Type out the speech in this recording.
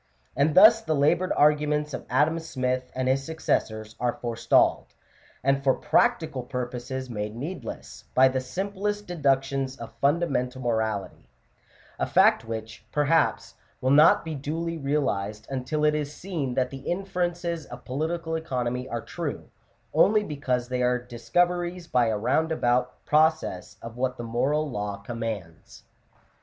And thus the laboured arguments of Adam Smith and his successors are forestalled, and for prac tical purposes made needless, by the simplest deductions of fundamental morality : a fact which, perhaps, will not be duly realized until it is seen that the inferences of political economy are true, only because they are discoveries by a roundabout pro cess of what the moral law commands.